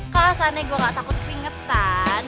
kalau seandainya gue gak takut keringetan